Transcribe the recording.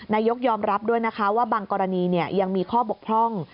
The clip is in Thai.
นายกยอมรับด้วยนะคะว่าบางกรณียังมีข้อบกพร่อง